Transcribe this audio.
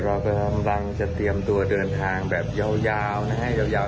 เรากำลังจะเตรียมตัวเดินทางแบบยาวนะฮะให้ยาว